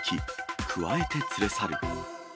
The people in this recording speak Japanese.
くわえて連れ去る。